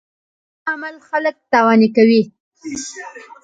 کوږ عمل خلک تاواني کوي